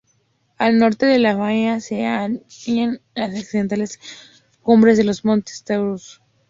Al norte de la bahía se hallan las accidentadas cumbres de los Montes Taurus.